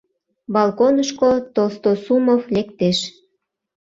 Балконышко Толстосумов лектеш.